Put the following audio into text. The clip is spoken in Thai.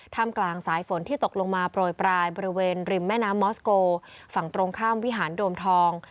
กลางสายฝนที่ตกลงมาโปรยปลายบริเวณริมแม่น้ำมอสโกฝั่งตรงข้ามวิหารโดมทอง